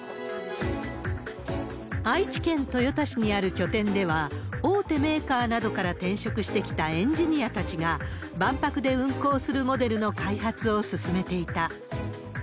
愛知県豊田市にある拠点では、大手メーカーなどから転職してきたエンジニアたちが、万博で運航するモデルの開発を進めていた。